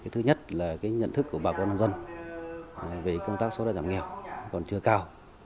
thứ nhất là nhận thức của bà con nhân dân về công tác số đo giảm nghèo còn chưa cao